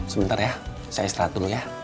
sebentar ya saya istirahat dulu ya